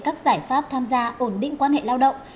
các giải pháp tham gia ổn định quan hệ lao động